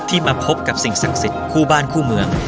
มาพบกับสิ่งศักดิ์สิทธิ์คู่บ้านคู่เมือง